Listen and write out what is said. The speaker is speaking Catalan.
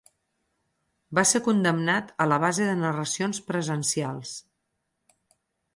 Va ser condemnat a la base de narracions presencials.